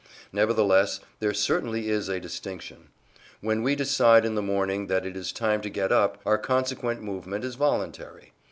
Nevertheless, there certainly is a distinction. When we decide in the morning that it is time to get up, our consequent movement is voluntary.